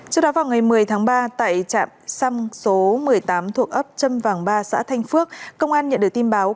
trước đó vào ngày một mươi tháng ba tại trạm xăm số một mươi tám thuộc ấp trâm vàng ba xã thanh phước công an nhận được tin báo